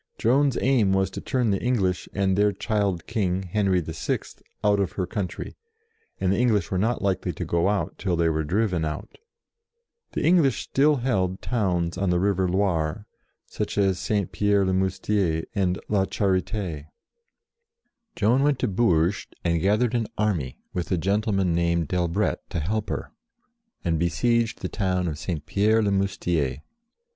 Joan's aim was to turn the English and their child King, Henry VI., out of her country ; and the English were not likely to go out till they were driven out. 77 78 JOAN OF ARC The English still held towns on the river Loire, such as St. Pierre le Moustier and La Charite*. Joan went to Bourges and gathered an army, with a gentle man named d'Elbret to help her, and besieged the town of St. Pierre le Moustier.